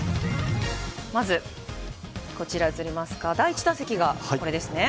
まず第１打席がこれですね。